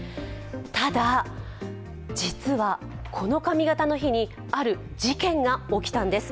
ただ、実はこの髪形の日にある事件が起きたんです。